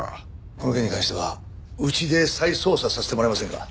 この件に関してはうちで再捜査させてもらえませんか？